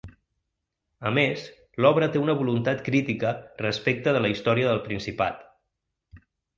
A més, l’obra té una voluntat crítica respecte de la història del Principat.